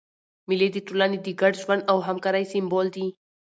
مېلې د ټولني د ګډ ژوند او همکارۍ سېمبول دي.